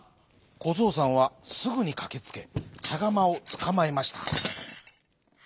こぞうさんはすぐにかけつけちゃがまをつかまえました。